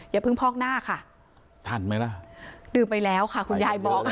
อย่าเพิ่งพอกหน้าค่ะทันไหมล่ะดื่มไปแล้วค่ะคุณยายบอกค่ะ